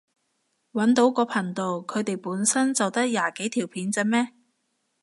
搵到個頻道，佢哋本身就得廿幾條片咋咩？